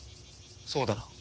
そうだな？